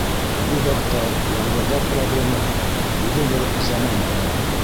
Буйҙаҡтар, яңғыҙҙар проблемаһы — үҙе бер заман бәләһе.